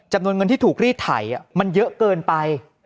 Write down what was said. จำนวนเงินที่ถูกรีดไถมันเยอะเกินไป